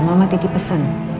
mama titip pesen